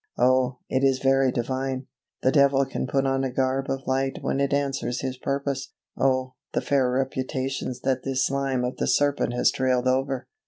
Oh, it is very Divine. The devil can put on a garb of light when it answers his purpose. Oh, the fair reputations that this slime of the serpent has trailed over!